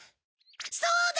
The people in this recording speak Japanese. そうだ！